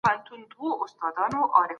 ایا څېړونکي د څېړني لاري لټولي دي؟